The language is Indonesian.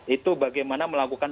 itu bagaimana melakukan